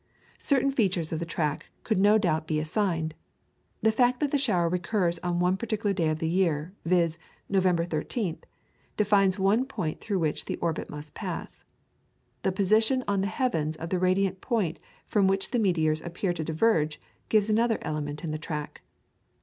Certain features of the track could no doubt be readily assigned. The fact that the shower recurs on one particular day of the year, viz., November 13th, defines one point through which the orbit must pass. The position on the heavens of the radiant point from which the meteors appear to diverge, gives another element in the track.